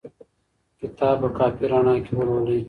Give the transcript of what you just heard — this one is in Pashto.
کتاب په کافي رڼا کې ولولئ.